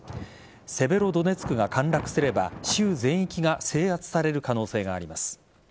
セベロドネツクが陥落すれば州全域が制圧される可能性があります。